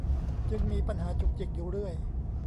จึงมีปัญหาจุกจิกอยู่เรื่อย